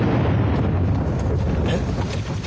えっ？